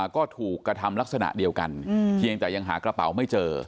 ก็ถูกกระทำลักษณะเดียวกันเพียงแต่ยังหากระเป๋าไม่เจอ